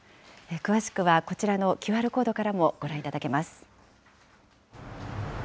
詳しくはこちらのＱＲコードからもご覧いただけます。